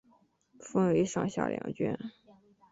分为上下两卷。